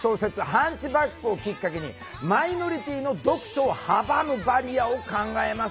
「ハンチバック」をきっかけにマイノリティーの読書を阻むバリアを考えます。